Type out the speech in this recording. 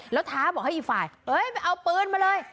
แล้วธามบอกให้อีฟลายเอ้ยเอาปืนมาเลย